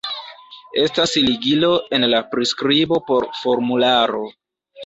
Estas ligilo en la priskribo por formularo